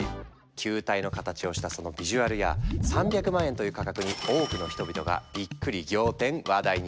球体の形をしたそのビジュアルや３００万円という価格に多くの人々がびっくり仰天話題に。